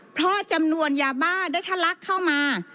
เพราะจำนวนยาบ้าได้ทะลักเข้ามา